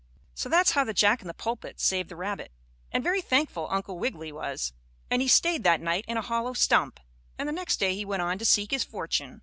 So that's how the Jack in the pulpit saved the rabbit and very thankful Uncle Wiggily was. And he stayed that night in a hollow stump, and the next day he went on to seek his fortune.